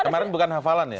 kemarin bukan hafalan ya